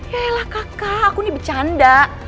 ya elah kakak aku ini bercanda